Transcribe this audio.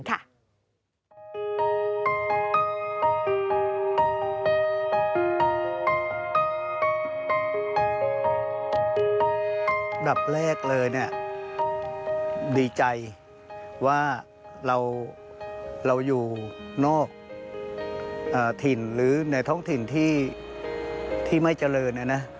อันดับแรกเลยเนี่ยดีใจว่าเราอยู่นอกถิ่นหรือในท้องถิ่นที่ไม่เจริญ